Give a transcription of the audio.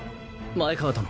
前川殿。